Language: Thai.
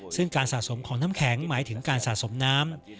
ซึ่งการสะสมของน้ำแข็งหมายถึงการสะสมน้ำ